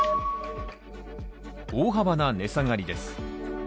大幅な値下がりです。